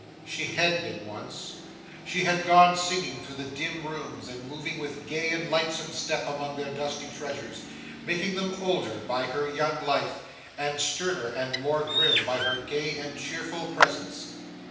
She had been once. She had gone singing through the dim rooms, and moving with gay and lightsome step among their dusty treasures, making them older by her young life, and sterner and more grim by her gay and cheerful presence.